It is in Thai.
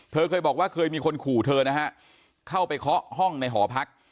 เคยบอกว่าเคยมีคนขู่เธอนะฮะเข้าไปเคาะห้องในหอพัก